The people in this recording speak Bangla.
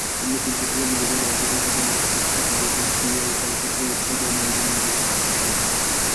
অন্য তিনটি হল মেলবোর্ন আন্তর্জাতিক অ্যানিমেশন উৎসব, মেলবোর্ন কুইয়ার চলচ্চিত্র উৎসব ও মেলবোর্ন আন্ডারগ্রাউন্ড চলচ্চিত্র উৎসব।